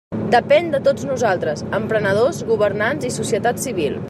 Depén de tots nosaltres, emprenedors, governants i societat civil.